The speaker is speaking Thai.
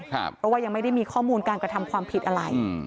เพราะว่ายังไม่ได้มีข้อมูลการกระทำความผิดอะไร